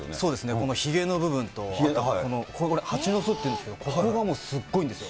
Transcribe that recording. このひげの部分と、これ、蜂の巣っていうんですけど、ここがもうすっごいんですよ。